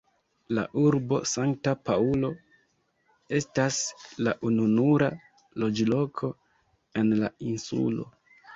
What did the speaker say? La urbo Sankta Paŭlo estas la ununura loĝloko en la insulo.